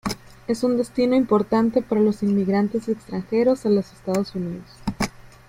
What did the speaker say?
Es un destino importante para los inmigrantes extranjeros a los Estados Unidos.